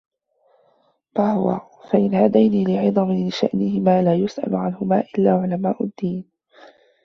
مَا هُوَ ؟ فَإِنَّ هَذَيْنِ لِعِظَمِ شَأْنِهِمَا لَا يُسْأَلُ عَنْهُمَا إلَّا عُلَمَاءُ الدِّينِ